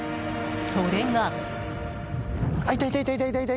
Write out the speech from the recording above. それが。